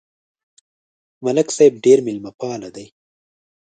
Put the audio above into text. ملک صاحب ډېر مېلمهپاله دی.